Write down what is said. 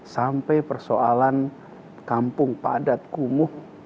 sampai persoalan kampung padat kumuh